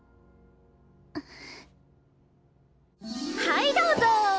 はいどうぞ！